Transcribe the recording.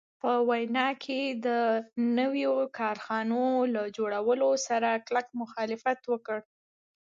په ویانا کې د نویو کارخانو له جوړولو سره کلک مخالفت وکړ.